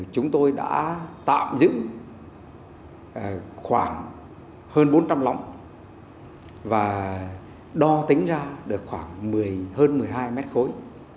chúng tôi đã tạm giữ khoảng hơn bốn trăm linh lóng và đo tính ra được khoảng hơn một mươi hai mét khối